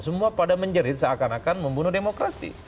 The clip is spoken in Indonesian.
semua pada menjerit seakan akan membunuh demokrasi